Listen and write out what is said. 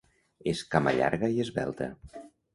És camallarga i esvelta.